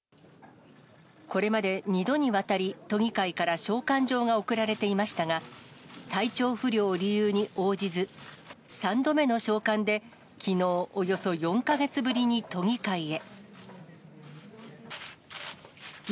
これまで２度にわたり、都議会から召喚状が送られていましたが、体調不良を理由に応じず、３度目の召喚できのう、およそ４か月ぶりに都議会へ。